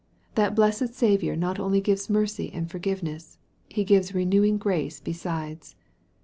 That blessed Saviour not only gives mercy and forgiveness ; He gives renewing grace besides.